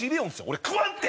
俺食わんって！